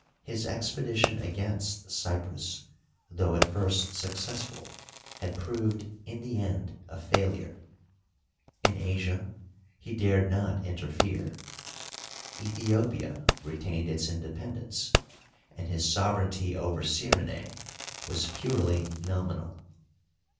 His expe dition against Cyprus, though at first successful, had proved in the end a failure ; in Asia he dared not inter fere; Aethiopia retained its independence, and his sov ereignty over Cyrenae was purely nominal.